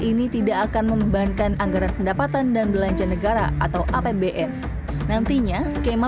ini tidak akan membebankan anggaran pendapatan dan belanja negara atau apbn nantinya skema